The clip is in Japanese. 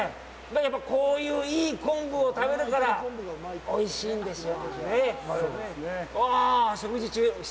やっぱりこういう、いい昆布を食べるから、おいしいんですよ。